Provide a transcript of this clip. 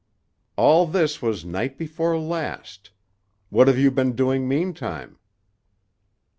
"All this was night before last. What have you been doing meantime?"